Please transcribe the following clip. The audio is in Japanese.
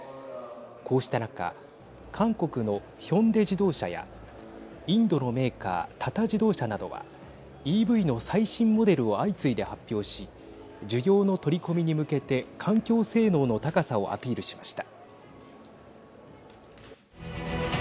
こうした中韓国のヒョンデ自動車やインドのメーカータタ自動車などはＥＶの最新モデルを相次いで発表し需要の取り込みに向けて環境性能の高さをアピールしました。